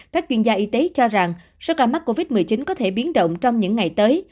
các chuyên gia y tế cho rằng số ca mắc covid một mươi chín có thể biến động trong những ngày tới